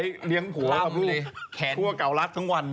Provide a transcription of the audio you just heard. ขายแล้วเลี้ยงหัวลือครัวเก่าลาดทั้งวัน